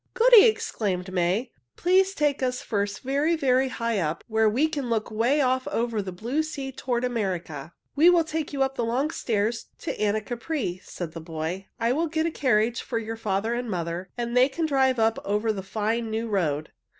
"Goody!" exclaimed May. "Please take us first very, very high up where we can look 'way off over the blue sea toward America." "We will take you up the long stairs to Anacapri," said the boy. "I will get a carriage for your father and mother, and they can drive up over the fine new road."